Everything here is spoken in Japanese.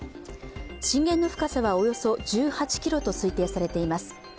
震源の深さはおよそ１８ｋｍと推定されています。